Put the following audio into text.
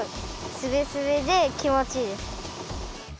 すべすべできもちいいです。